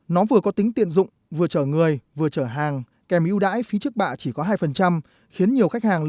nó vừa có tính tiện dụng vừa chở người vừa chở hàng